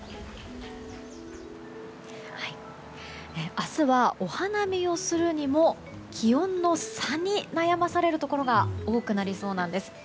明日はお花見をするにも気温の差に悩まされるところが多くなりそうなんです。